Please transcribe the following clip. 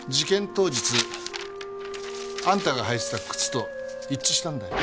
当日あんたが履いてた靴と一致したんだよ。